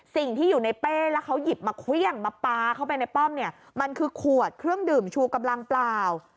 สิ่งที่อยู่ในเป้แล้วเขาหยิบมาเครื่องมาปลาเข้าไปในป้อมเนี่ยมันคือขวดเครื่องดื่มชูกำลังเปล่า